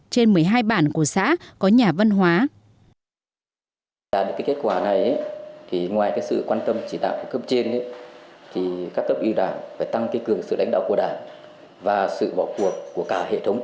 một mươi một trên một mươi hai bản của xã có nhà văn hóa